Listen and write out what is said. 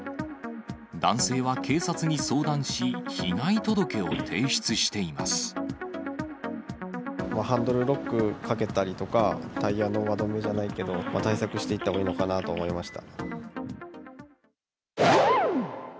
男性は警察に相談し、被害届を提ハンドルロックかけたりとか、タイヤの輪止めじゃないけど、対策していったほうがいいのかなと思いました。